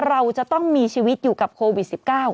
เราจะต้องมีชีวิตอยู่กับโควิด๑๙